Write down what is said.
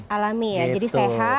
alami ya jadi sehat